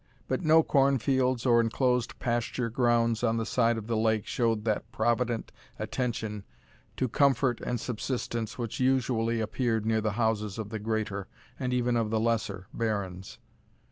But no corn fields or enclosed pasture grounds on the side of the lake showed that provident attention to comfort and subsistence which usually appeared near the houses of the greater, and even of the lesser barons.